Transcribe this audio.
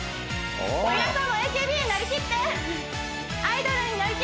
皆さんもＡＫＢになりきって！